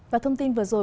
và thông tin vừa rồi